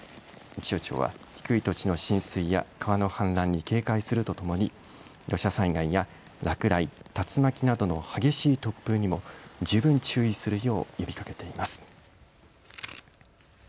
気象庁は低い土地の浸水や川の氾濫に警戒するとともに土砂災害や落雷、竜巻などの激しい突風にも十分注意するよう呼びかけています。